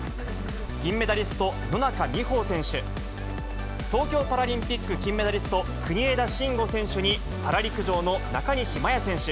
銀メダリスト、野中生萌選手、東京パラリンピック金メダリスト、国枝慎吾選手に、パラ陸上の中西麻耶選手。